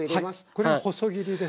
これは細切りですよね。